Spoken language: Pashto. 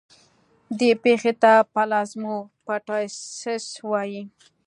دې پېښې ته پلازموپټایسس وایي.